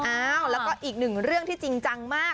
อ้าวแล้วก็อีกหนึ่งเรื่องที่จริงจังมาก